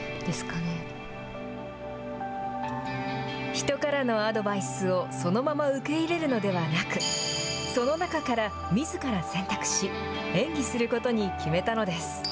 人からのアドバイスをそのまま受け入れるのではなく、その中から、みずから選択し、演技することに決めたのです。